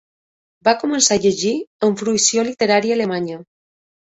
Va començar a llegir amb fruïció literatura alemanya.